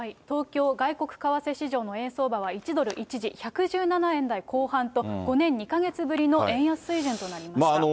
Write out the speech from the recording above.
東京外国為替市場の円相場は１ドル一時１１７円台後半と、５年２か月ぶりの円安水準となりました。